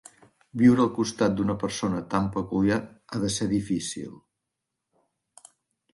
Viure al costat d'una persona tan peculiar ha de ser difícil.